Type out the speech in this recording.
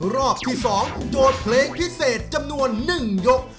รอบที่๒โจทย์เพลงพิเศษจำนวน๑ยก